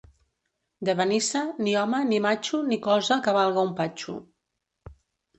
De Benissa, ni home, ni matxo, ni cosa que valga un patxo.